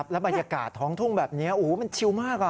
แล้วบรรยากาศท้องทุ่งแบบนี้มันชิวมาก